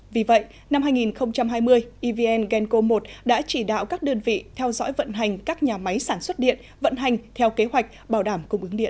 vì vậy năm hai nghìn hai mươi evn genco một đã chỉ đạo các đơn vị theo dõi vận hành các nhà máy sản xuất điện vận hành theo kế hoạch bảo đảm cung ứng điện